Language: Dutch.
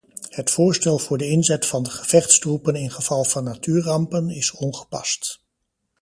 Het voorstel voor de inzet van de gevechtsgroepen in geval van natuurrampen is ongepast.